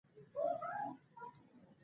هغه مخامخ الاقصی جومات ته اشاره وکړه.